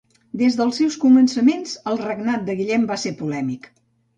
Des dels seus començaments el regnat de Guillem va ser polèmic.